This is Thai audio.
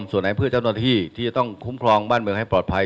ส่วนไหนเพื่อเจ้าหน้าที่ที่จะต้องคุ้มครองบ้านเมืองให้ปลอดภัย